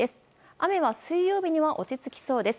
雨は水曜日には落ち着きそうです。